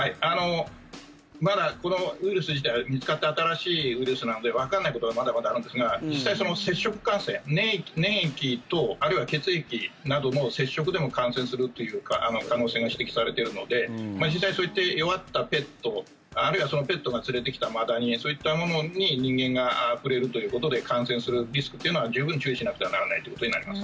まだ、このウイルス自体見つかって新しいウイルスなのでわからないことがまだまだあるんですが実際、接触感染粘液等あるいは血液などの接触でも感染するという可能性が指摘されているので実際、そういった弱ったペットあるいはそのペットが連れてきたマダニそういったものに人間が触れるということで感染するリスクというのは十分注意しなくてはならないということになります。